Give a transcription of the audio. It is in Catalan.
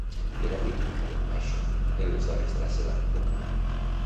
Era habitual, això, en les dones de la seva època?